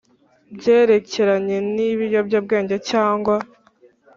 Byerekeranye n ibiyobyabwenge cyangwa